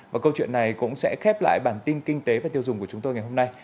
và câu chuyện này cũng sẽ khép lại bản tin kinh tế và tiêu dùng của chúng tôi ngày hôm nay